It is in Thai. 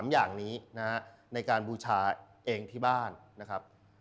๓อย่างนี้นะฮะในการบูชาเองที่บ้านนะครับ